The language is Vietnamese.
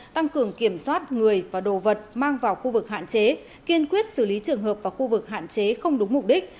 tăng cường kiểm soát người và đồ vật mang vào khu vực hạn chế kiên quyết xử lý trường hợp vào khu vực hạn chế không đúng mục đích